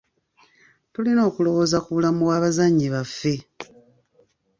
Tulina okulowooza ku bulamu bw'abazannyi baffe.